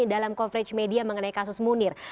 dalam coverage media mengenai kasus munir